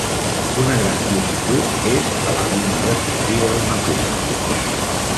Una gran multitud és a la línia de sortida d'una cursa.